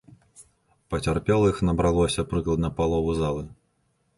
Пацярпелых набралося прыкладна паловы залы.